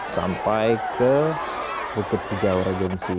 sampai ke bukit hijau regensi